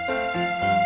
mau berangkat kerja